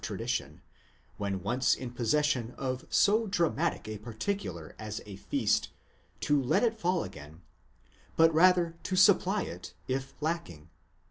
tradition, when once in possession of so dramatic a particular as a feast, to let it fall again, but rather to supply it, if lacking.